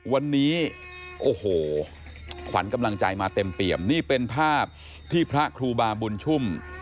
วันนี้โอ้โหขวัญกำลังใจมาเต็มเปี่ยมนี่เป็นภาพที่พระครูบาบุญชุ่ม